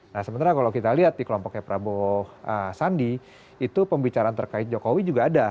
nah sementara kalau kita lihat di kelompoknya prabowo sandi itu pembicaraan terkait jokowi juga ada